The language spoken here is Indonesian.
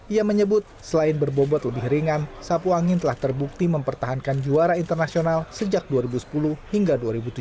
ia menyebut selain berbobot lebih ringan sapu angin telah terbukti mempertahankan juara internasional sejak dua ribu sepuluh hingga dua ribu tujuh belas